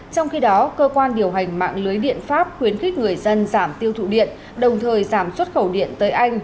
trong khi đó cơ quan điều hành mạng lưới điện pháp khuyến khích người dân giảm tiêu thụ điện đồng thời giảm xuất khẩu điện tới anh